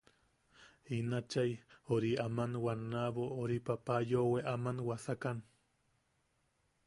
In achai ori aman wannabo ori papa yoʼowe ama wasakan.